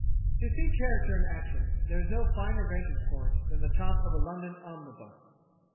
To see character in action there is no finer vantage point than the top of a London omnibus.